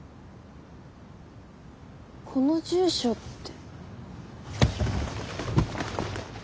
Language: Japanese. この住所って。